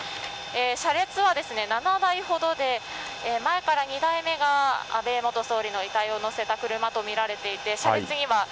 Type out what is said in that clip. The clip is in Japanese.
車列は７台ほどで前から２台目が安倍元総理の遺体を乗せた車とみられています。